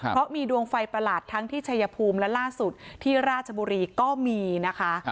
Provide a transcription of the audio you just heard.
เพราะมีดวงไฟประหลาดทั้งที่ชายภูมิและล่าสุดที่ราชบุรีก็มีนะคะ